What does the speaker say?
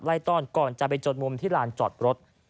ต้อนก่อนจะไปจดมุมที่ลานจอดรถ